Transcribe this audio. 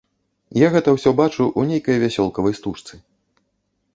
Я гэта ўсё бачу ў нейкай вясёлкавай стужцы.